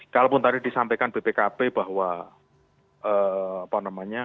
kalaupun tadi disampaikan bpkp bahwa apa namanya